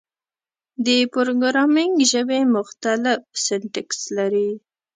د پروګرامینګ ژبې مختلف سینټکس لري.